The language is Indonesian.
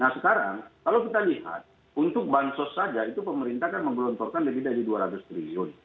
nah sekarang kalau kita lihat untuk bansos saja itu pemerintah kan menggelontorkan lebih dari dua ratus triliun